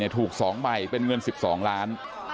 ๐๗๔๘๒๔ถูก๒ใบเป็นเงิน๑๒ล้าน